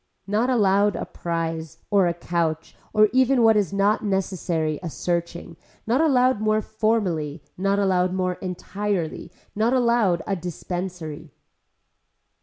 Not allowed a prize or a couch or even what is not necessary a searching, not allowed more formerly, not allowed more entirely, not allowed a dispensary.